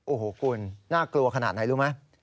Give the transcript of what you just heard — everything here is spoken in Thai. โอ้โหคุณน่ากลัวขนาดไหนรู้ไหม